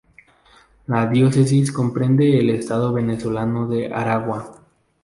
La diócesis comprende el estado venezolano de Aragua.